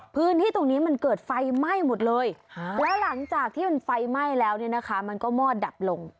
พื้นที่ตรงนี้มันเกิดไฟไหม้หมดเลยแล้วหลังจากที่มันไฟไหม้แล้วเนี่ยนะคะมันก็มอดดับลง